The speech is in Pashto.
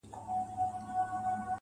چي د وجود له آخرې رگه وتلي شراب